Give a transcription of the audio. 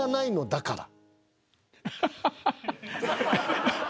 だから。